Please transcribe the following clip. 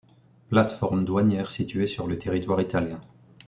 Plateforme douanière située sur le territoire italien.